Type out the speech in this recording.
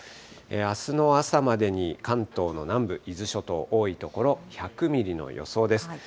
あすの朝までに関東の南部、伊豆諸島、多い所１００ミリの予想です。